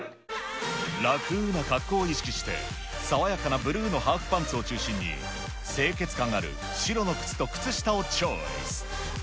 楽な格好を意識して、爽やかなブルーのハーフパンツを中心に、清潔感ある白の靴と靴下をチョイス。